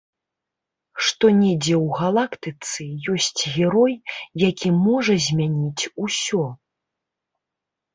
Што недзе ў галактыцы ёсць герой, які можа змяніць усё.